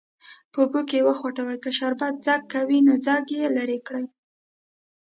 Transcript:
په اوبو کې وخوټوئ که شربت ځګ کوي نو ځګ یې لرې کړئ.